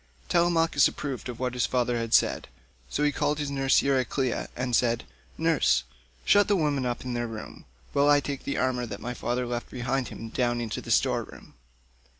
Telemachus approved of what his father had said, so he called nurse Euryclea and said, "Nurse, shut the women up in their room, while I take the armour that my father left behind him down into the store room.